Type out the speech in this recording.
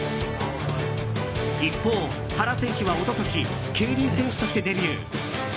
一方、原選手は一昨年競輪選手としてデビュー。